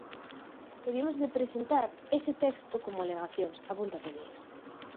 "E vimos de presentar ese texto como alegacións", apunta Pereira.